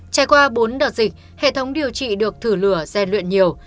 trải qua bốn đợt dịch hệ thống điều trị được thử lửa gian luyện nhiều